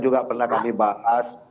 juga pernah kami bahas